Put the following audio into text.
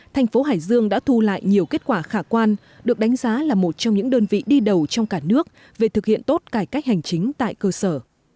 thành phố hải dương đã thu lại nhiều kết quả khả quan được đánh giá là một trong những đơn vị đi đầu trong cả nước về thực hiện tốt cải cách hành chính tại cơ sở